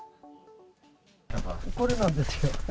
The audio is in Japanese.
これなんですよ。